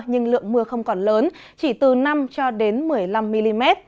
nhưng lượng mưa không còn lớn chỉ từ năm một mươi năm mm